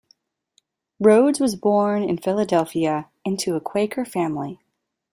Rhoads was born in Philadelphia into a Quaker family.